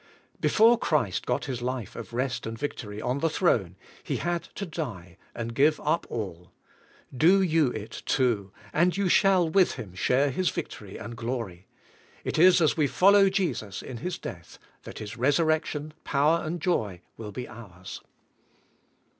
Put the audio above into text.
Before Christ got His life of rest and victory on the throne, He had to die and give up all. Do you it, too, and you shall with Him share His victor} and glory. It is as we follow Jesus in His death, that His resurrection, power and jo}^ will be ours.